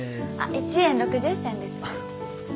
１円６０銭です。